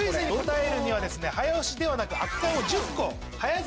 早押しではなく。